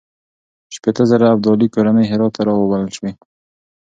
شپېته زره ابدالي کورنۍ هرات ته راوبلل شوې.